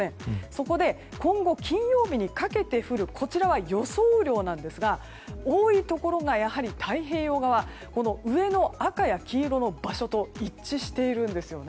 そこで今後、金曜日にかけて降る予想雨量なんですが多いところがやはり太平洋側上の赤や黄色の場所と一致しているんです。